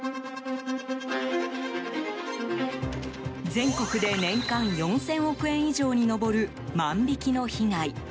全国で年間４０００億円以上に上る万引きの被害。